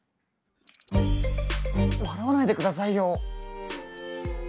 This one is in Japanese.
笑わないで下さいよ！